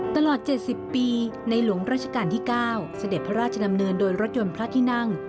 ตลอด๗๐ปีในหลวงราชการที่๙เสด็จพระราชดำเนินโดยรถยนต์พระที่นั่ง